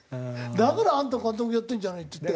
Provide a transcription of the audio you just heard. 「だからあんた監督やってんじゃない」って言って。